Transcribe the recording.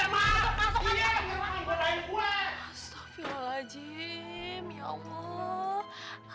astaghfirullahaladzim ya allah